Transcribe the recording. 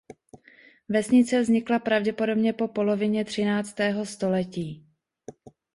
Vesnice vznikla pravděpodobně po polovině třináctého století.